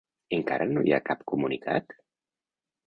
Encara no hi ha cap comunicat?